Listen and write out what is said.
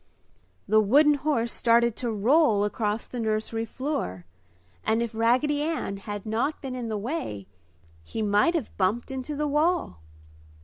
The wooden horse started to roll across the nursery floor and if Raggedy Ann had not been in the way, he might have bumped into the wall.